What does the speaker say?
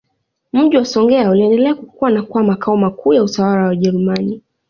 Mji wa Songea uliendelea kukua na kuwa Makao makuu ya utawala wa Wajerumani